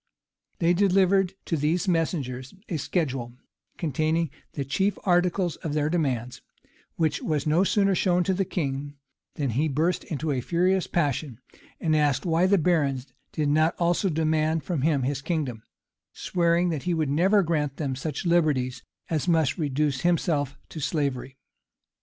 They delivered to these messengers a schedule, containing the chief articles of their demands; which was no sooner shown to the king, than he burst into a furious passion, and asked why the barons did not also demand of him his kingdom; swearing that he would never grant them such liberties as must reduce himself to slavery.